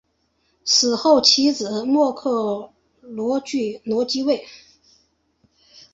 死后其子摩醯逻矩罗即位。